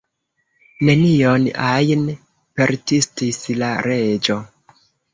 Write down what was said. "Nenion ajn?" persistis la Reĝo.